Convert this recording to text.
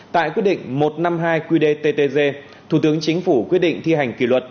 tại quyết định một trăm năm mươi hai qdttg thủ tướng chính phủ quyết định thi hành kỷ luật